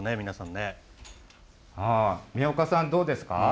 皆さんみやおかさん、どうですか？